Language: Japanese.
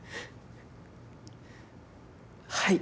はい。